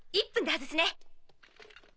１分で外すね。